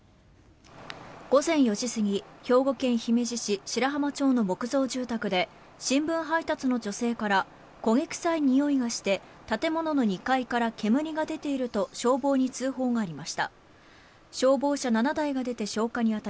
午前４時過ぎ兵庫県姫路市白浜町の木造住宅で新聞配達の女性から焦げ臭いにおいがして建物の２階から煙が出ていると消防に通報がありました。